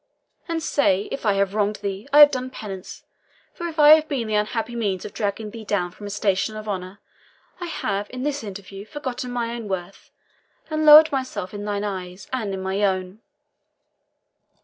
and say, if I have wronged thee, I have done penance; for if I have been the unhappy means of dragging thee down from a station of honour, I have, in this interview, forgotten my own worth, and lowered myself in thy eyes and in my own."